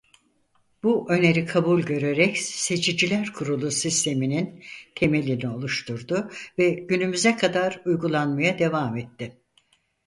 Bu öneri kabul görerek seçiciler kurulu sisteminin temelini oluşturdu ve günümüze kadar uygulanmaya devam etti.